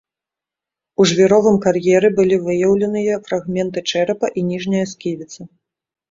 У жвіровым кар'еры былі выяўленыя фрагменты чэрапа і ніжняя сківіца.